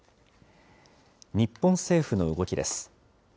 日本政府の動きです。